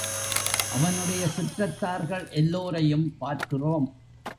அவனுடைய சுற்றத்தார்கள் எல்லோரையும் பார்க்கிறோம்.